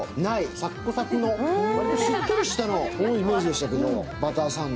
サックサクの割としっとりしたイメージでしたけど、バターサンド。